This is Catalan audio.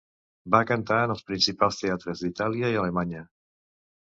Va cantar en els principals teatres d'Itàlia i Alemanya.